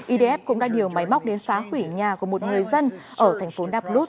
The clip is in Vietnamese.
idf cũng đã điều máy móc đến phá hủy nhà của một người dân ở thành phố dablut